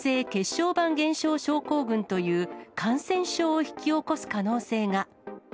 小板減少症候群という感染症を引き起こす可能性が。